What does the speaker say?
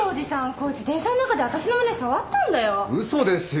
こいつ電車の中で私の胸触ったんだよ。